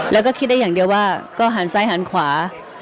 แล้วก็คิดได้อย่างเดียวว่าก็หันซ้ายหันขวา